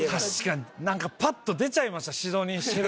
確かに何かパッと出ちゃいました